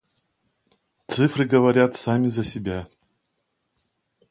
Цифры говорят сами за себя.